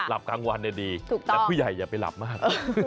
กลางวันเนี่ยดีแต่ผู้ใหญ่อย่าไปหลับมาก